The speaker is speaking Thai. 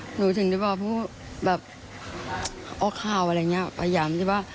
หนูถึงได้ว่าพูดออกข่าวอะไรอย่างนี้